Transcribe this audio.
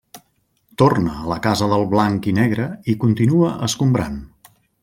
Torna a la Casa del Blanc i Negre i continua escombrant.